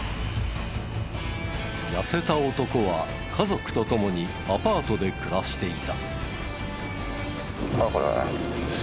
痩せた男は家族と共にアパートで暮らしていた。